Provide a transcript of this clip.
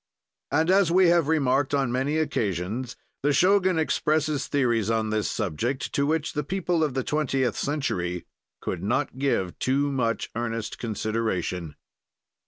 And, as we have remarked on many occasions, the Shogun expresses theories on this subject, to which the people of the twentieth century could not give too much earnest consideration.